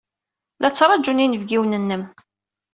La ttṛajun yinebgiwen-nnem.